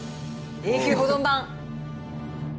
永久保存版！